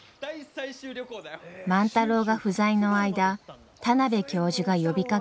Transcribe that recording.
万太郎が不在の間田邊教授が呼びかけ